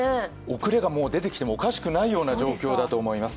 遅れが出てきてもおかしくないような状況だと思います。